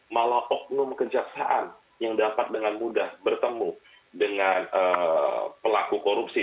malah oknum kejaksaan yang dapat dengan mudah bertemu dengan pelaku korupsi